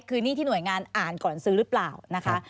คือหนี้ที่หน่วยงานอ่านก่อนซื้อหรือเปล่านะคะ